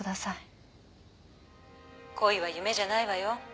恋は夢じゃないわよ。